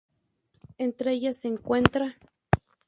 Entre ellas se encuentraː